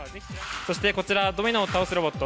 そしてこちらはドミノを倒すロボット